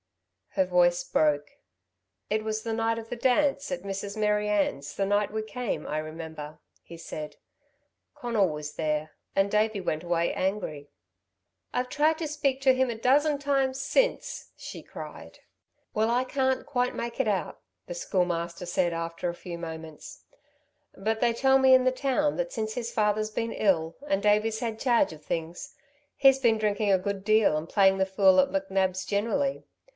Her voice broke. "It was the night of the dance, at Mrs. Mary Ann's the night we came, I remember," he said; "Conal was there, and Davey went away angry." "I've tried to speak to him a dozen times, since," she cried. "Well, I can't quite make it out," the Schoolmaster said, after a few moments, "but they tell me in the town that since his father's been ill and Davey's had charge of things, he's been drinking a good deal and playing the fool at McNab's generally.